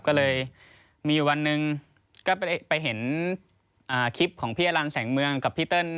ก็เลยมีอยู่วันหนึ่งก็ไปเห็นคลิปของพี่อลันแสงเมืองกับพี่เติ้ล